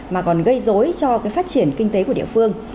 mà còn gây dối cho phát triển kinh tế của địa phương